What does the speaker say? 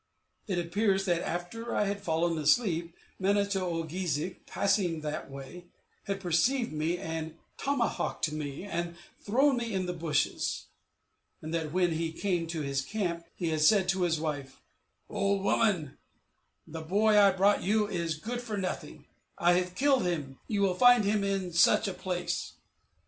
It appears that, after I had fallen asleep, Manito o geezhik, passing that way, had perceived me, had tomahawked me, and thrown me in the bushes; and that when he came to his camp he had said to his wife, "Old woman, the boy I brought you is good for nothing; I have killed him; you will find him in such a place."